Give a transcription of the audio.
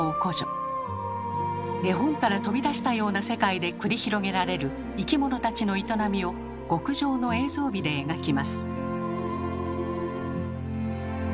絵本から飛び出したような世界で繰り広げられる生き物たちの営みを極上の映像美で描きます。